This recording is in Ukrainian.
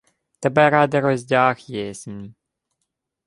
— Тебе ради роздяг єсмь.